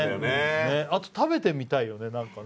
あと食べてみたいよね、なんかね。